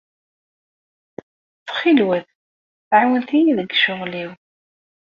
Ttxil-wet ɛiwnet-iyi deg ccɣel-iw.